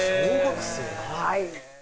はい。